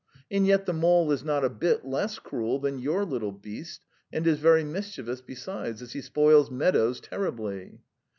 And yet the mole is not a bit less cruel than your little beast, and is very mischievous besides, as he spoils meadows terribly."